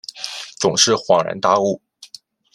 总是恍然大悟